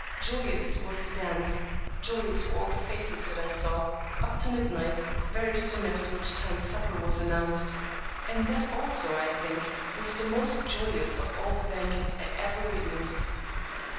Joyous was the dance — joyous were all faces that I saw — up to midnight, very soon after which time supper was announced; and that also, I think, was the most joyous of all the banquets I ever witnessed.